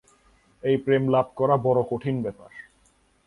এই প্রেমলাভ করা বড় কঠিন ব্যাপার।